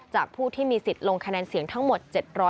ผู้ที่มีสิทธิ์ลงคะแนนเสียงทั้งหมด๗๐๐